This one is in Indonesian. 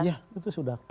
iya itu sudah